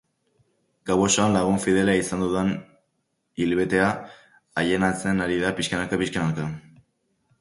Gau osoan lagun fidela izan dudan ilbetea aienatzen ari da pixkana-pixkanaka.